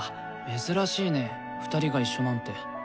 珍しいね２人が一緒なんて。